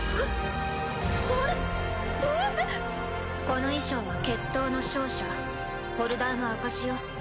この衣装は決闘の勝者ホルダーの証しよ。